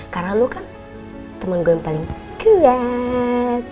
karena lo kan temen gue yang paling kuat